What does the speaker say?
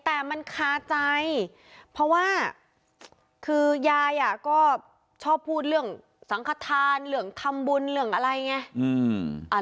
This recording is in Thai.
แต่มันคาใจเพราะว่าคือยายก็ชอบพูดเรื่องสังขทานเรื่องทำบุญเรื่องอะไรไง